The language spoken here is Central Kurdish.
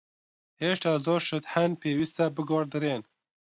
هێشتا زۆر شت هەن پێویستە بگۆڕدرێن.